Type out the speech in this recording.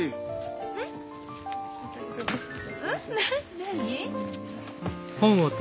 何？